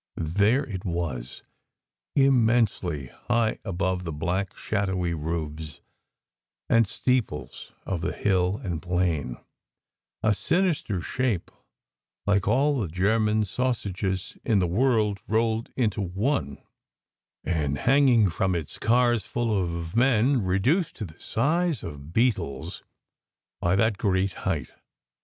There it was, immensely high above the black, shadowy roofs and steeples of the hill and plain; a sinister shape, like all the German sausages in the world rolled into one; and hanging from it cars full of men reduced to the size of beetles by that great height.